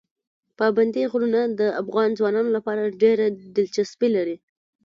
پابندي غرونه د افغان ځوانانو لپاره ډېره دلچسپي لري.